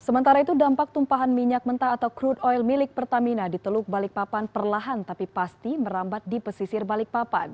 sementara itu dampak tumpahan minyak mentah atau crude oil milik pertamina di teluk balikpapan perlahan tapi pasti merambat di pesisir balikpapan